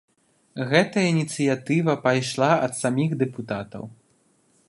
Гэтая ініцыятыва пайшла ад саміх дэпутатаў.